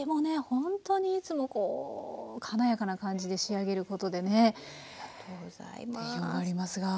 ほんとにいつもこう華やかな感じで仕上げることでね定評がありますが。